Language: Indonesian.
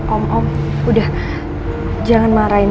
om om udah jangan marahin